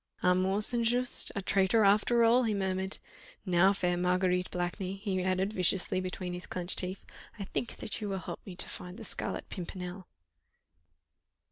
"Armand St. Just a traitor after all," he murmured. "Now, fair Marguerite Blakeney," he added viciously between his clenched teeth, "I think that you will help me to find the Scarlet Pimpernel."